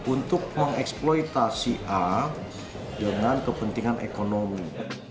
untuk mengeksploitasi a dengan kepentingan ekonomi